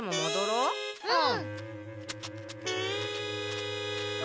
うん。